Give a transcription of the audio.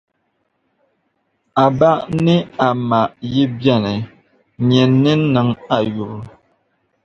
A ba ni a ma yi be ni, nyin niŋim a yubu.